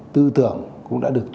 tư tưởng cũng đã được